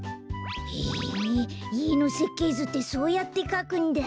へえいえのせっけいずってそうやってかくんだ。